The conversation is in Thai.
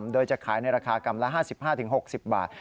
โดยจะขายในราคากรัมละ๕๕๖๐บาท